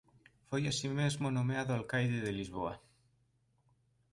Foi así mesmo nomeado Alcaide de Lisboa.